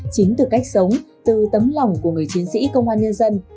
chính từ cách sống từ tấm lòng của người chiến sĩ công an nhân dân